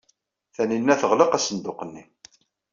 Tanina teɣleq asenduq-nni.